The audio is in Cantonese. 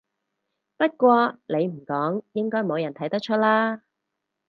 不過你唔講應該冇人睇得出啦